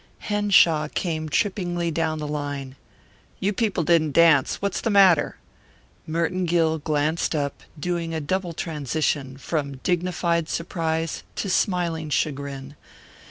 Henshaw came trippingly down the line. "You people didn't dance. What's the matter?" Merton Gill glanced up, doing a double transition, from dignified surprise to smiling chagrin.